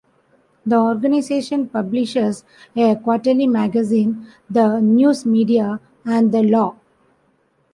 The organization publishes a quarterly magazine, "The News Media and The Law".